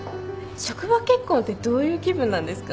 職場結婚ってどういう気分なんですか？